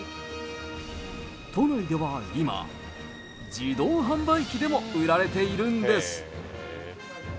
都内では今、自動販売機でも売られているんです。